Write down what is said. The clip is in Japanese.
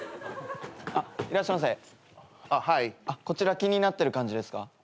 こちら気になってる感じですか？